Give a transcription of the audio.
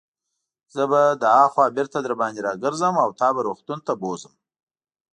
زه به له هاخوا بیرته درباندې راګرځم او تا به روغتون ته بوزم.